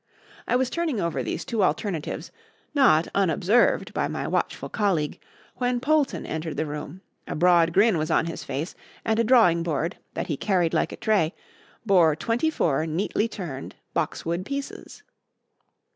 I was turning over these two alternatives, not unobserved by my watchful colleague, when Polton entered the room; a broad grin was on his face, and a drawing board, that he carried like a tray, bore twenty four neatly turned boxwood pieces.